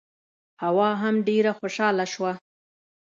حوا هم ډېره خوشاله شوه.